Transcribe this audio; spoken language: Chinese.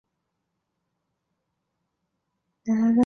但仍有新的研究在挑战这一观点。